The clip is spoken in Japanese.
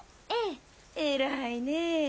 偉いねぇ。